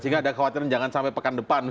sehingga ada khawatiran jangan sampai pekan depan